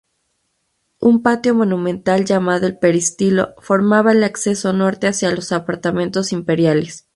Un patio monumental, llamado el peristilo, formaba el acceso norte hacia los apartamentos imperiales.